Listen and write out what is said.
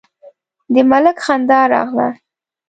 د ملک خندا راغله: